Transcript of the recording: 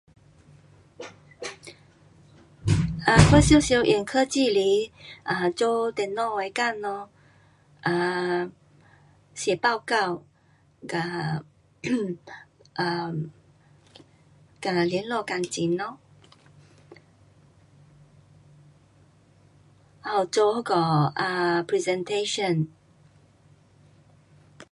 我常常用科技来 um 做电脑的工咯。啊， 嘎 还有做那个 presentation